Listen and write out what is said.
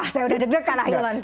saya udah deg deg kan ahilman